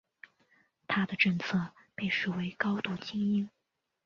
他的政策被视为高度亲英。